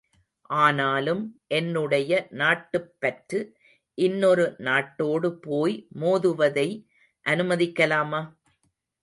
ஆனாலும் என்னுடைய நாட்டுப்பற்று, இன்னொரு நாட்டோடு போய் மோதுவதை அனுமதிக்கலாமா?